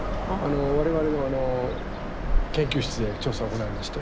我々の研究室で調査を行いまして。